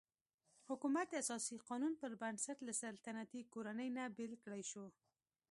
حکومت د اساسي قانون پر بنسټ له سلطنتي کورنۍ نه بېل کړای شو.